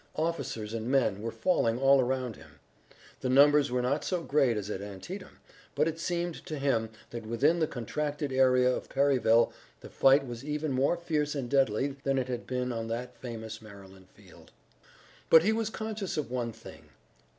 Officers and men were falling all around him. The numbers were not so great as at Antietam, but it seemed to him that within the contracted area of Perryville the fight was even more fierce and deadly than it had been on that famous Maryland field. But he was conscious of one thing.